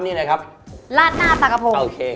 นี่เลยครับลาดหน้ากระผม